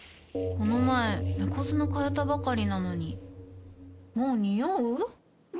この前猫砂替えたばかりなのにもうニオう？